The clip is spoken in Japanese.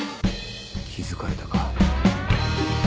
気付かれたか。